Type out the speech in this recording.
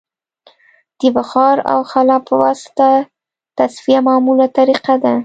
د بخار او خلا په واسطه تصفیه معموله طریقه ده